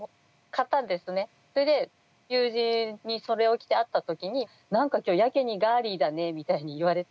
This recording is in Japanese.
それで友人にそれを着て会った時に「何か今日やけにガーリーだね」みたいに言われて。